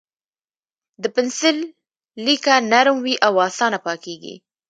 د پنسل لیکه نرم وي او اسانه پاکېږي.